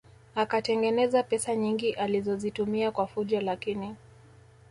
Akatengeneza pesa nyingi alizozitumia kwa fujo lakini